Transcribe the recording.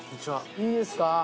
いいですか？